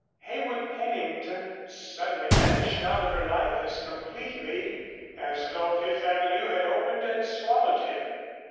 Heywood Pennington suddenly vanished out of her life as completely as though Fifth Avenue had opened and swallowed him.